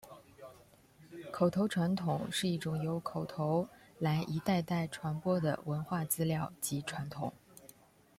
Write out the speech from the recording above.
口头传统是一种由口头来一代代传播的文化资料及传统。